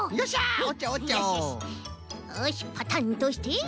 よしパタンとして。